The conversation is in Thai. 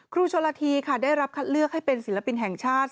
ครูชนละทีค่ะได้รับคัดเลือกให้เป็นศิลปินแห่งชาติ